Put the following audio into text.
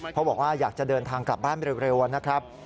เพราะบอกว่าอยากจะเดินทางกลับบ้านเร็วนะครับ